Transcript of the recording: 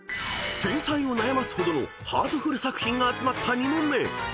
［天才を悩ますほどのハートフル作品が集まった２問目］